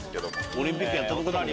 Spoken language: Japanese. オリンピックやったとこ。